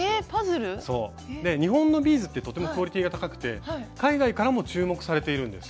日本のビーズってとてもクオリティーが高くて海外からも注目されているんです。